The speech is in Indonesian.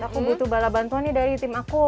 aku butuh bala bantuan nih dari tim aku